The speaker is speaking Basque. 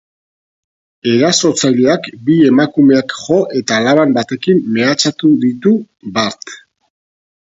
Erasotzaileak bi emakumeak jo eta laban batekin mehatxatu ditu, bart.